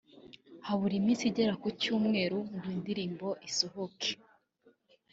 Habura iminsi igera ku cyumweru ngo indirimbo isohoke